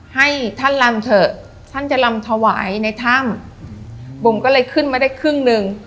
ให้ท่านลำเถอะท่านจะลำถวายในถ้ำบุ๋มก็เลยขึ้นมาได้ครึ่งหนึ่ง